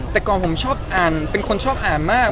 แต่ก่อนผมชอบอ่านเป็นคนชอบอ่านมาก